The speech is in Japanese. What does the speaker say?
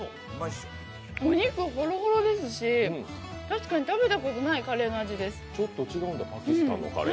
お肉ほろほろですし、確かに食べたことのないカレーの味です。